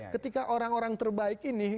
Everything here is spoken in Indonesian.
ketika orang orang terbaik ini